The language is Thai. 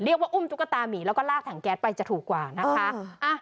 อุ้มตุ๊กตามีแล้วก็ลากถังแก๊สไปจะถูกกว่านะคะ